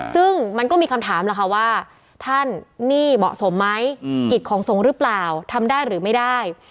ซึ่งมันก็มีคำถามแล้วค่ะว่าท่านหนี้เหมาะสมไหมกิจของสงฆ์หรือเปล่าทำได้หรือไม่ได้